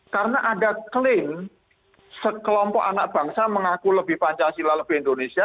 karena ada klaim sekelompok anak bangsa mengaku lebih pancasila lebih indonesia